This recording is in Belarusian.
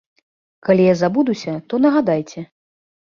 Калі я забудуся, то нагадайце.